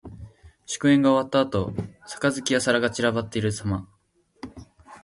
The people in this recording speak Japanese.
酒宴が終わったあと、杯や皿が散らかっているさま。